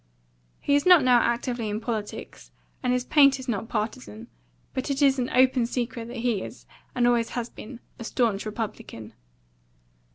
He is not now actively in politics, and his paint is not partisan; but it is an open secret that he is, and always has been, a staunch Republican.